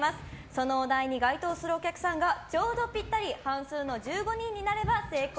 そのお題に該当するお客さんがちょうどぴったり半数の１５人になれば成功！